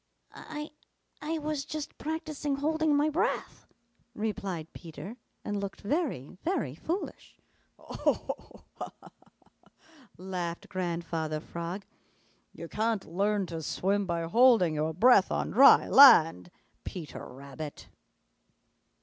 "I I was just practising holding my breath," replied Peter and looked very, very foolish. "Ho, ho, ho! Ha, ha, ha!" laughed Grandfather Frog. "You can't learn to swim by holding your breath on dry land, Peter Rabbit."